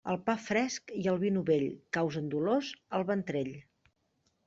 El pa fresc i el vi novell causen dolors al ventrell.